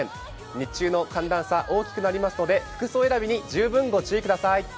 日中の寒暖差、大きくなりますので服装選びに十分ご注意ください。